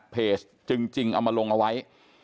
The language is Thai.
เพจจริงมาลงไว้